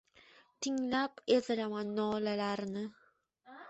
Tinglab ezilaman nolalarini.